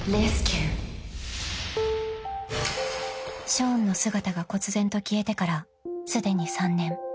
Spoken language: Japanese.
［ショーンの姿がこつぜんと消えてからすでに３年］